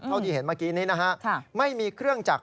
เท่าที่เห็นเมื่อกี้นี้นะฮะไม่มีเครื่องจักร